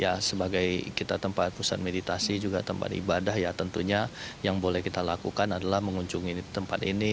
ya sebagai kita tempat pusat meditasi juga tempat ibadah ya tentunya yang boleh kita lakukan adalah mengunjungi tempat ini